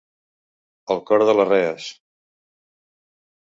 El cor de les rees.